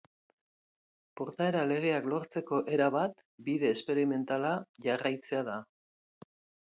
Portaera-legeak lortzeko era bat bide esperimentala jarraitzea da.